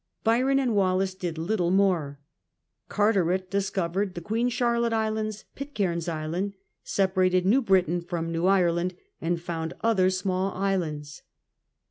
Byron and Wallis did little more. Carteret discovered the Queen Charlotte Islands, Pitcairn's Island, separated New Britain from New Ireland, and found other small islands.